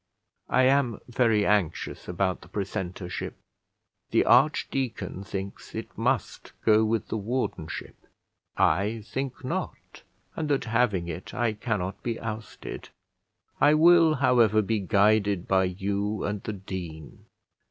I am very anxious about the precentorship: the archdeacon thinks it must go with the wardenship; I think not, and, that, having it, I cannot be ousted. I will, however, be guided by you and the dean.